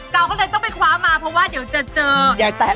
ก็เลยต้องไปคว้ามาเพราะว่าเดี๋ยวจะเจอ